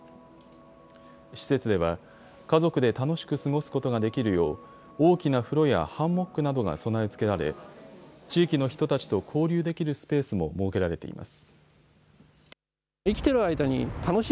施設では、家族で楽しく過ごすことができるよう大きな風呂やハンモックなどが備え付けられ地域の人たちと交流できるスペースも設けられています。